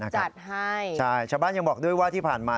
จัดให้ใช่ชาวบ้านยังบอกด้วยว่าที่ผ่านมา